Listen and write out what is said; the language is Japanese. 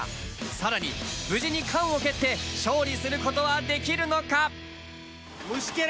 さらに無事に缶を蹴って勝利することはできるのか？